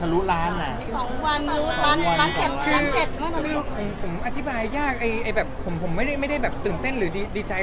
แล้วพอรับการยุ่งเข้าบงแล้วยังหรือครับ